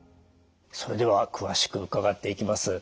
それでは詳しく伺っていきます。